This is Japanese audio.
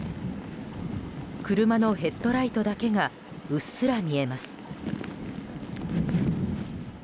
車のヘッドライトだけがうっすら見えます。